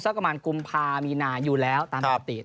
สักกระมาณกุมภาคมมีนาคมอยู่แล้วตามอาติด